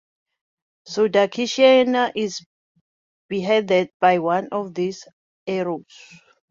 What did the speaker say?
Sudakshina is beheaded by one of these arrows.